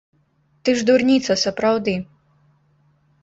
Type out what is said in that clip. Ты ж дурніца, сапраўды.